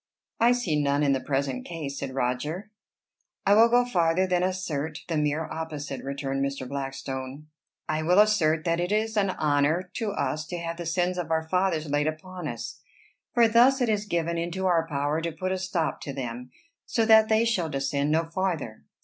"I see none in the present case," said Roger. "I will go farther than assert the mere opposite," returned Mr. Blackstone. "I will assert that it is an honor to us to have the sins of our fathers laid upon us. For thus it is given into our power to put a stop to them, so that they shall descend no farther.